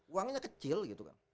uangnya kecil gitu kan